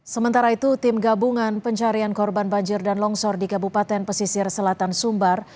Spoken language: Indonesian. sementara itu tim gabungan pencarian korban banjir dan longsor di kabupaten pesisir selatan sumbar